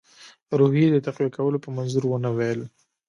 روحیې د تقویه کولو په منظور ونه ویل.